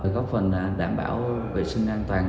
góp phần đảm bảo vệ sinh an toàn